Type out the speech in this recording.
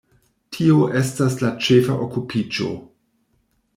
Tio estas la ĉefa okupiĝo.